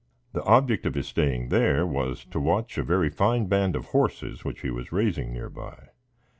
The object of his staying there was to watch a very fine band of horses which he was raising near by.